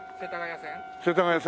世田谷線？